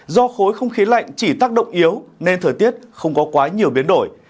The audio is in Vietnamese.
do khối không khí lạnh chỉ tác động yếu nên thời tiết không có quá nhiều biến đổi